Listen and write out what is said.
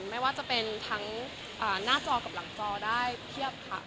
ไม่ว่าจะเป็นทั้งหน้าจอกับหลังจอได้เพียบค่ะ